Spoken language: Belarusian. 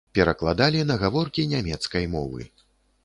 Перакладалі на гаворкі нямецкай мовы.